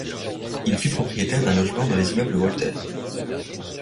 Il fut propriétaire d'un logement dans les Immeubles Walter.